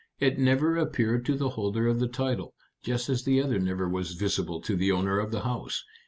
It never appeared to the holder of the title, just as the other never was visible to the owner of the house.